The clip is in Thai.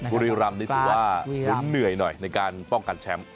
บุรีรำนี่ถือว่าคุณเหนื่อยหน่อยในการป้องกันแชมป์